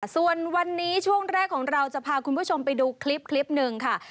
ส่วนวันนี้ช่วงแรกของเราจะพาคุณผู้ชมไปดูคลิปหนึ่งค่ะ